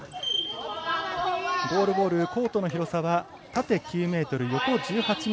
ゴールボールコートの広さは縦９ｍ横１８ｍ。